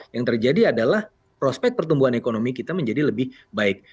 yang terjadi adalah prospek pertumbuhan ekonomi kita menjadi lebih baik